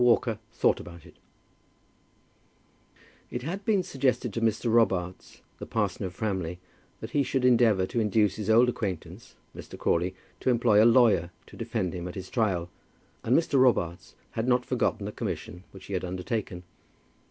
WALKER THOUGHT ABOUT IT. It had been suggested to Mr. Robarts, the parson of Framley, that he should endeavour to induce his old acquaintance, Mr. Crawley, to employ a lawyer to defend him at his trial, and Mr. Robarts had not forgotten the commission which he had undertaken.